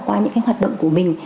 qua những cái hoạt động của mình